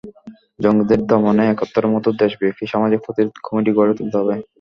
জঙ্গিদের দমনে একাত্তরের মতো দেশব্যাপী সামাজিক প্রতিরোধ কমিটি গড়ে তুলতে হবে।